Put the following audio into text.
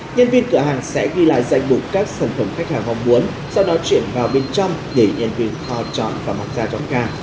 nhân viên cửa hàng sẽ ghi lại danh bộ các sản phẩm khách hàng hong muốn sau đó chuyển vào bên trong để nhân viên khoa chọn và mặc ra trong ca